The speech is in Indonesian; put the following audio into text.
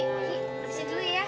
habisi dulu ya